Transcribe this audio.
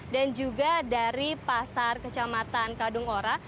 dan juga dari pasar kecamatan kadungoro